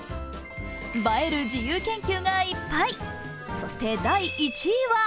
映える自由研究がいっぱい。